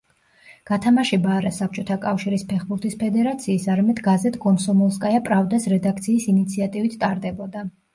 გათამაშება არა საბჭოთა კავშირის ფეხბურთის ფედერაციის, არამედ გაზეთ „კომსომოლსკაია პრავდას“ რედაქციის ინიციატივით ტარდებოდა.